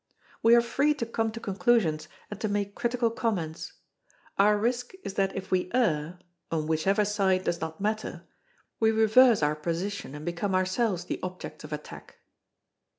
We are free to come to conclusions and to make critical comments. Our risk is that if we err on whichever side does not matter we reverse our position and become ourselves the objects of attack.